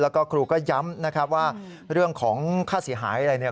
แล้วก็ครูก็ย้ำนะครับว่าเรื่องของค่าเสียหายอะไรเนี่ย